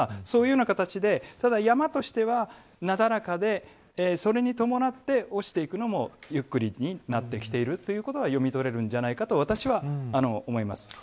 そういう形でただ、山としては、なだらかでそれに伴って落ちていくのもゆっくりになってきているということが読み取れるんじゃないかと、私は思います。